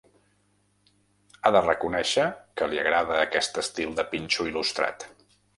Ha de reconèixer que li agrada aquest estil de pinxo il·lustrat.